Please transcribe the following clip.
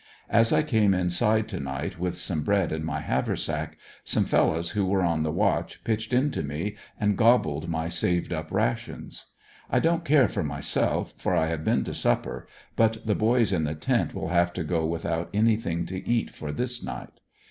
As I came inside to night with some bread in my haversack some fellows who were on the watch pitched into me and gobbled my saved up rations. I don't care for mj^self for I have been to supper, but the boys in the tent will have to go without anything to eat for this night.